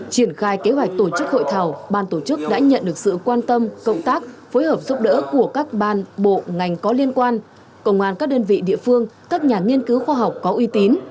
triển khai kế hoạch tổ chức hội thảo ban tổ chức đã nhận được sự quan tâm cộng tác phối hợp giúp đỡ của các ban bộ ngành có liên quan công an các đơn vị địa phương các nhà nghiên cứu khoa học có uy tín